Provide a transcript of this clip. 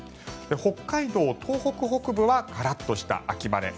北海道、東北北部はカラッとした秋晴れ。